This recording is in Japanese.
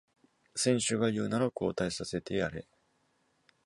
選手が言うなら交代させてやれ